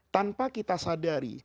tanpa kita sadari